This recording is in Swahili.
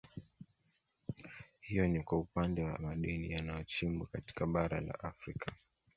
Hiyo ni kwa upande wa madini yanayochimbwa katika Bara la Afrika